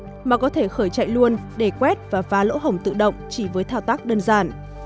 họ có thể khởi chạy luôn để quét và phá lỗ hồng tự động chỉ với thao tác đơn giản